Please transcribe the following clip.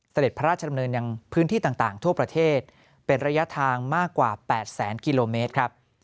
เสด็จพระราชดำเนินยังพื้นที่ต่างทั่วประเทศเป็นระยะทางมากกว่า๘แสนกิโลเมตรครับ